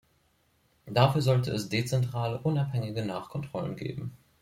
Dafür solle es dezentrale, unabhängige Nachkontrollen geben.